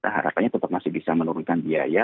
harapannya tetap masih bisa menurunkan biaya